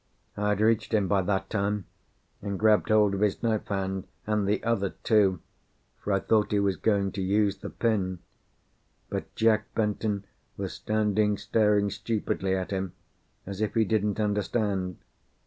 I had reached him by that time, and grabbed hold of his knife hand, and the other, too, for I thought he was going to use the pin; but Jack Benton was standing staring stupidly at him, as if he didn't understand.